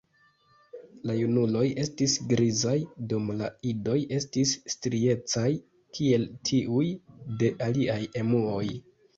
La junuloj estis grizaj, dum la idoj estis striecaj kiel tiuj de aliaj emuoj.